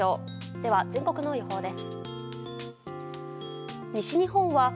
では、全国の予報です。